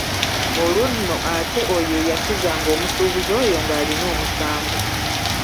Olwo nno ate oyo eyasuzanga omusuubuzi oyo ng’alina omusango.